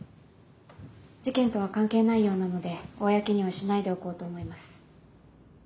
事件とは関係ないようなので公にはしないでおこうと思います。